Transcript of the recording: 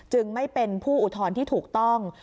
จึงไม่เป็นผู้อุทรที่ถูกต้อง